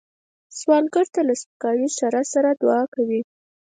سوالګر له سپکاوي سره سره دعا کوي